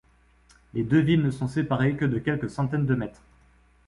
Les deux villes ne sont séparées que de quelques centaines de mètres.